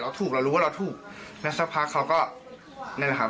ถูกเรารู้ว่าเราถูกแล้วสักพักเขาก็นั่นแหละครับ